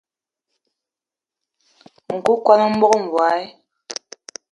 Nku kwan o mog mbogui.